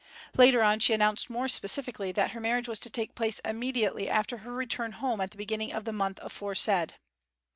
Later on she announced more specifically that her marriage was to take place immediately after her return home at the beginning of the month aforesaid.